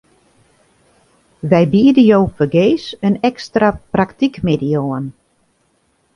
Wy biede jo fergees in ekstra praktykmiddei oan.